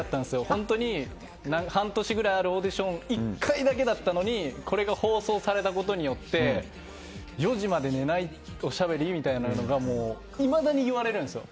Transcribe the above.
本当に半年ぐらいあるオーディション１回だけだったのにこれが放送されたことによって４時まで寝ないおしゃべりみたいなのがいまだに言われるんですよ。